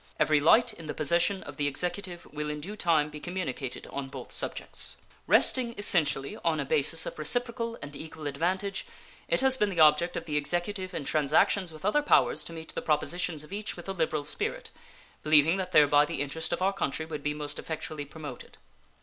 Every light in the possession of the Executive will in due time be communicated on both subjects. Resting essentially on a basis of reciprocal and equal advantage, it has been the object of the Executive in transactions with other powers to meet the propositions of each with a liberal spirit, believing that thereby the interest of our country would be most effectually promoted.